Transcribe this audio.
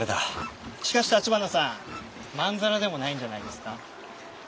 しかし立花さんまんざらでもないんじゃないですか？